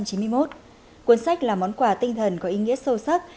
cuốn sách là món quà tinh thần có ý nghĩa sâu sắc